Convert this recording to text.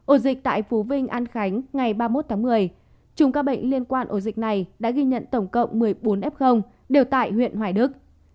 ổ dịch tại phú vinh an khánh ngày ba mươi một tháng một mươi chung các bệnh liên quan ổ dịch này đã ghi nhận tổng cộng một mươi bốn f đều tại huyện hoài đức